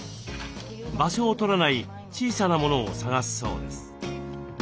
場所を取らない小さなモノを探すそうです。